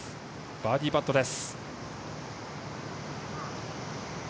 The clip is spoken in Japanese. バーディーパットです。